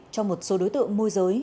cho một số đối tượng môi giới